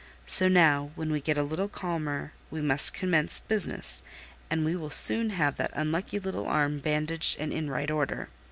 So now, when we get a little calmer, we must commence business; and we will soon have that unlucky little arm bandaged and in right order."